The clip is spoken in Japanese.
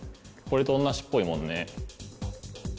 これと同じっぽいもんね。